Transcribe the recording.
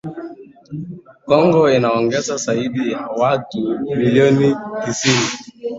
Kongo inaongeza zaidi ya watu milioni tisini